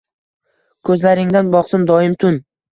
Ko‘zlaringdan boqsin doim tun